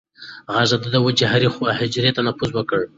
غږ د ده د وجود هرې حجرې ته نفوذ وکړ.